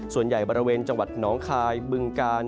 ส่วนใหญ่บริเวณจังหวัดหนองคายบึงกาล